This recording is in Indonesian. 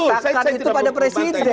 meletakkan itu pada presiden